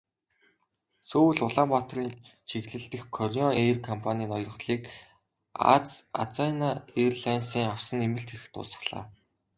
Сөүл-Улаанбаатарын чиглэл дэх Кореан эйр компанийн ноёрхлыг Азиана эйрлайнсын авсан нэмэлт эрх дуусгалаа.